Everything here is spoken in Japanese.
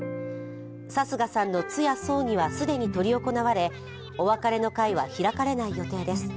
貴家さんの通夜・葬儀は既に執り行われ、お別れの会は開かれない予定です。